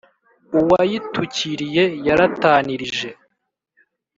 Uwayitukiriye yaratanirije!"